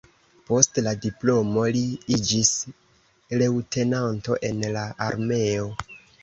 Post la diplomo li iĝis leŭtenanto en la armeo.